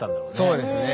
そうですね。